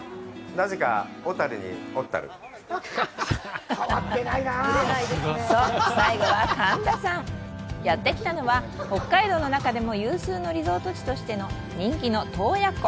なぜか最後は神田さんやって来たのは北海道の中でも有数のリゾート地としての人気の洞爺湖